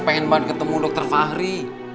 pengen banget ketemu dokter fahri